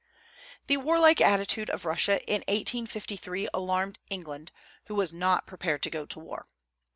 The warlike attitude of Russia in 1853 alarmed England, who was not prepared to go to war.